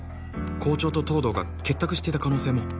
校長と東堂が結託していた可能性も